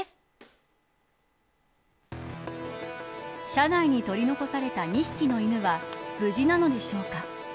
車内に取り残された２匹の犬は無事なのでしょうか。